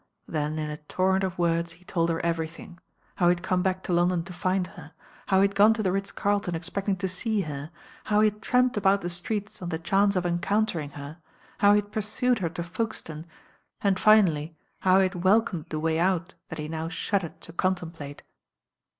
Then in a torrent of words he told her everything. How he had come back to London to fird her, how he had gone to the Ritz Carlton expecting to see her, how he had tramped about the streets on the chance of encountering her, how he had pursued her to Folkestone and, finally, how he had welcomed the way out that he now shuddered to contemplate.